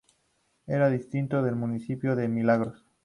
Era distrito del municipio de Milagros.